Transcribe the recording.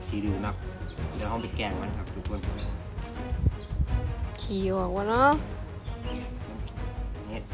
ชีดีกว่างับเดี๋ยวเขาไปแกล้งมันครับทุกคนขี่ออกว่ะเนอะ